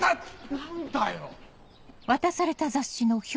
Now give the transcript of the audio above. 何だよ？